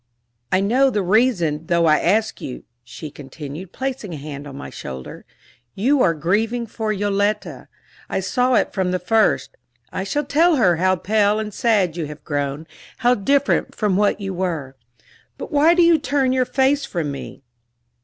"I know the reason, though I ask you," she continued, placing a hand on my shoulder. "You are grieving for Yoletta I saw it from the first. I shall tell her how pale and sad you have grown how different from what you were. But why do you turn your face from me?"